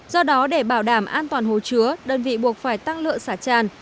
do đó để bảo đảm an toàn hồ chứa đơn vị buộc phải tăng lượng xả tràn